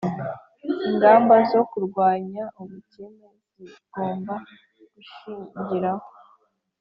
ingamba zo kurwanya ubukene zigomba gushingiraho